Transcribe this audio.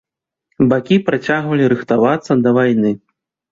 Бакі працягвалі рыхтавацца да вайны.